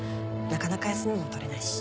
なかなか休みも取れないし。